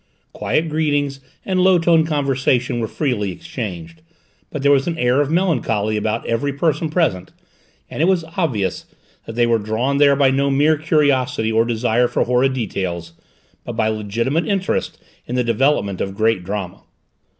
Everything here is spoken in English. Quiet greetings and low toned conversation were freely exchanged, but there was an air of melancholy about every person present, and it was obvious that they were drawn there by no mere curiosity or desire for horrid details, but by legitimate interest in the development of great drama.